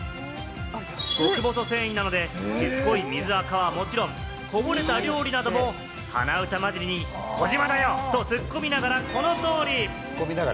極細繊維なので、しつこい水垢はもちろん、こぼれた料理なども、鼻歌交じりに「児嶋だよ！」とツッコミながら、この通り！